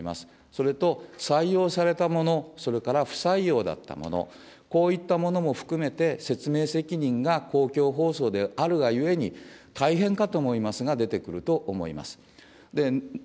それと、採用されたもの、それから不採用だったもの、こういったものも含めて、説明責任が、公共放送であるがゆえに、大変かと思いますが、出てくると思います。